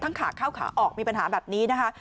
ขาเข้าขาออกมีปัญหาแบบนี้นะคะ